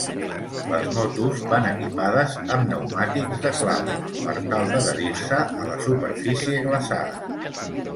Les motos van equipades amb pneumàtics de claus per tal d'adherir-se a la superfície glaçada.